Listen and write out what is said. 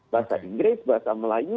bahasa inggris bahasa melayu